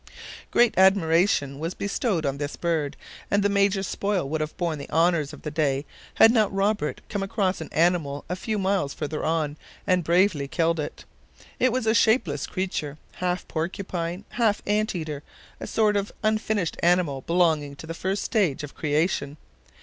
Great admiration was bestowed on this bird, and the Major's spoil would have borne the honors of the day, had not Robert come across an animal a few miles further on, and bravely killed it. It was a shapeless creature, half porcupine, half ant eater, a sort of unfinished animal belonging to the first stage of creation.